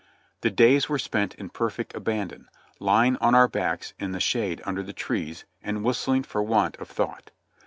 The days were spent in perfect abandon, lying on our backs in the shade under the trees, and whistling for want of thought.